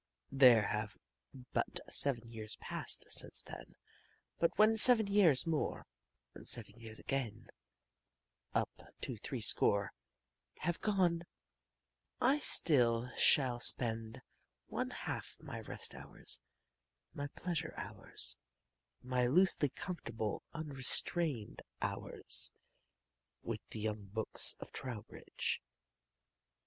There have but seven years passed since then, but when seven years more, and seven years again, up to threescore, have gone, I still shall spend one half my rest hours, my pleasure hours, my loosely comfortable, unstrained hours with the young books of Trowbridge.